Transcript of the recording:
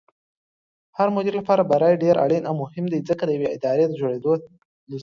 هرمدير لپاره بری ډېر اړين او مهم دی ځکه ديوې ادارې دجوړېدلو څخه